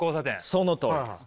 そのとおりです。